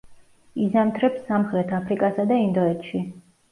იზამთრებს სამხრეთ აფრიკასა და ინდოეთში.